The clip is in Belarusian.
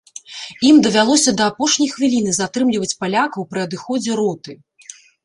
Ім давялося да апошняй хвіліны затрымліваць палякаў пры адыходзе роты.